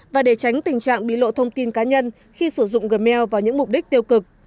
và để tránh tình trạng bị lộ thông tin cá nhân khi sử dụng gm vào những mục đích tiêu cực